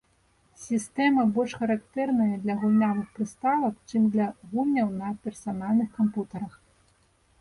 Сістэма больш характэрная для гульнявых прыставак, чым для гульняў на персанальных кампутарах.